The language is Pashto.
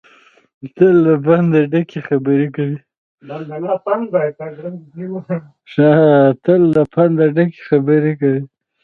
تل له پنده ډکې خبرې کوي.